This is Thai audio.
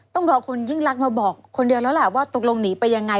ต้องรอคุณยิ่งรักมาบอกคนเดียวแล้วแหละว่าตกลงหนีไปยังไง